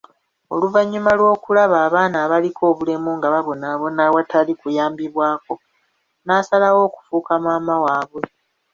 Oluvannyuma lw'okulaba abaana abaliko obulemu nga babonabona awatali kuyambibwako, n'asalawo okufuuka maama waabwe.